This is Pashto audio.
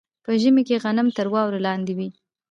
په ژمي کې غنم تر واورې لاندې وي.